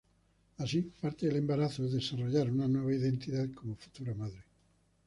Así, parte del embarazo es desarrollar una nueva identidad como futura madre.